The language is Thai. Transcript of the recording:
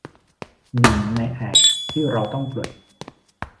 หนึ่งในแอกที่เราต้องปลด